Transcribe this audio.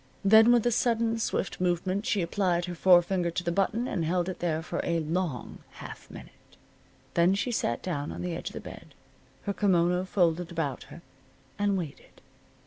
Then with a sudden swift movement she applied her forefinger to the button and held it there for a long half minute. Then she sat down on the edge of the bed, her kimono folded about her, and waited.